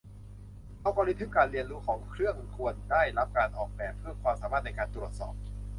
อัลกอริทึมการเรียนรู้ของเครื่องควรได้รับการออกแบบเพื่อความสามารถในการตรวจสอบ